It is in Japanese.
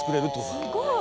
すごい！